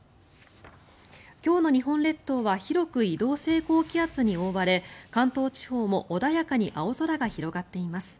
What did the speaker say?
今日の日本列島は広く移動性高気圧に覆われ関東地方も穏やかで青空が広がっています。